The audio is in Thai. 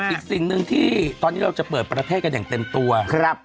อีกสิ่งหนึ่งที่ตอนนี้เราจะเปิดประเทศกันอย่างเต็มตัวครับ